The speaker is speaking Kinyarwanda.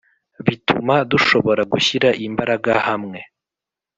bituma dushobora gushyira imbaraga hamwe,